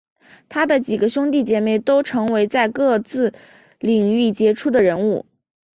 他的几个兄弟姐妹都成为在各自领域杰出的人物。